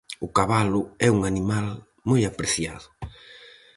O cabalo é un animal moi apreciado.